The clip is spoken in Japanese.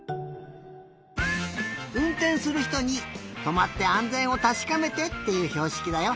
うんてんするひとにとまってあんぜんをたしかめてっていうひょうしきだよ。